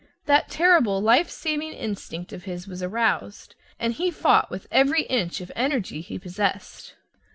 That terrible lifesaving instinct of his was aroused, and he fought with every inch of energy he possessed.